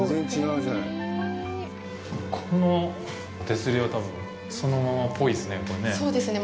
この手すりは、多分、そのままっぽいですね、これね。